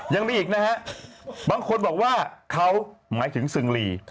ยังมีอีกนะฮะบางคนบอกว่าเขาหมายถึงซึงรี